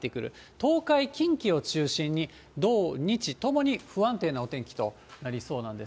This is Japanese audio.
東海、近畿を中心に、土、日ともに不安定なお天気となりそうなんです。